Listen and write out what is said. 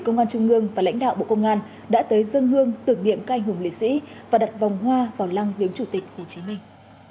công an trung ương và lãnh đạo bộ công an đã tới dân hương tưởng niệm các anh hùng liệt sĩ và đặt vòng hoa vào lăng viếng chủ tịch hồ chí minh